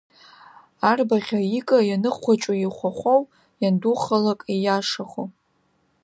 Арбаӷь аика ианыхәыҷу ихәахәоу, иандухалак ииашахо.